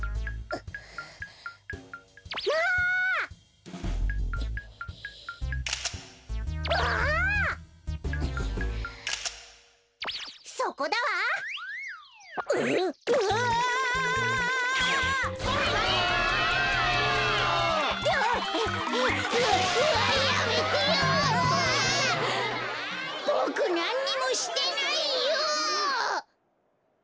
ボクなんにもしてないよ！